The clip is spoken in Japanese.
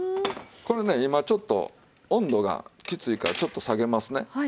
これね今ちょっと温度がきついからちょっと下げますね。